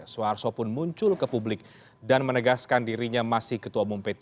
soeharso pun muncul ke publik dan menegaskan dirinya masih ketua umum p tiga